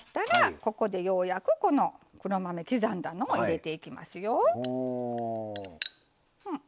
ここで、ようやくこの黒豆、刻んだのを入れていきますよ。